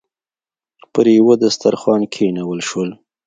پر یوه دسترخوان کېنول شول.